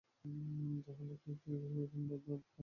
তাহলে কিফের রুম বদল হলে, কাজটা কি সহজ হবে?